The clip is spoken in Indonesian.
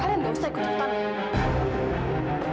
kalian gak usah ikut ikutannya